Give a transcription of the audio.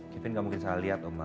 kevin ga mungkin salah lihat uma